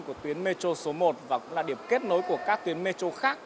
của tuyến metro số một và cũng là điểm kết nối của các tuyến metro khác